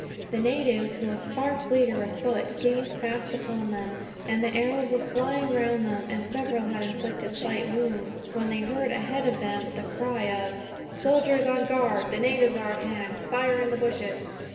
The natives, who were far fleeter of foot, gained fast upon them; and the arrows were flying round them, and several had inflicted slight wounds, when they heard ahead of them the cry of: "Soldiers on guard. The natives are at hand. Fire in the bushes."